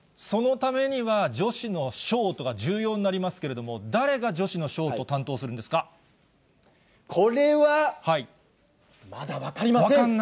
そのためには、女子のショートが重要になりますけれども、誰が女子のショートを担当するんこれは、まだ分かりません。